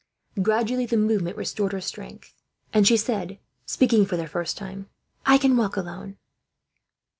Gradually the movement restored her strength, and she said, speaking for the first time: "I can walk alone."